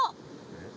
えっ？